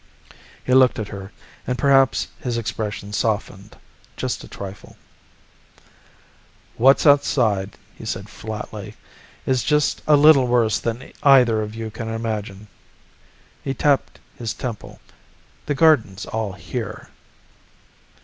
He looked at her and perhaps his expression softened just a trifle. "What's outside," he said flatly, "is just a little worse than either of you can imagine." He tapped his temple. "The garden's all here."